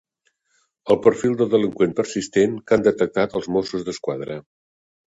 El perfil del delinqüent persistent que han detectat els Mossos d'Esquadra.